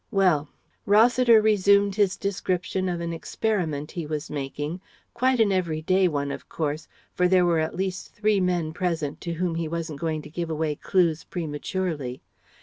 Well: Rossiter resumed his description of an experiment he was making quite an everyday one, of course, for there were at least three men present to whom he wasn't going to give away clues prematurely.